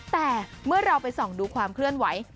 แต่เมื่อเราไปส่องดูความเคลื่อนไหว